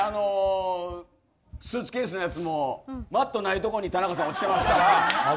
スーツケースのやつもマットないところに田中さん、落ちてますから。